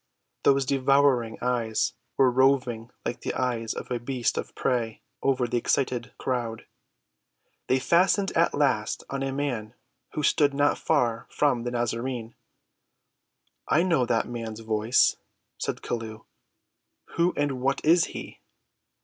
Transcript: Those devouring eyes were roving like the eyes of a beast of prey over the excited crowd. They fastened at last on a man who stood not far from the Nazarene. "I know that man's voice," said Chelluh. "Who and what is he?"